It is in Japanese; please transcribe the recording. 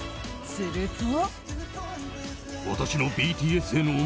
すると。